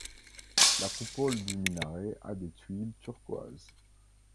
La coupole du minaret a des tuiles turquoise.